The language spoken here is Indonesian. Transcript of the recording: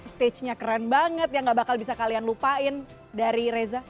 stage nya keren banget yang gak bakal bisa kalian lupain dari reza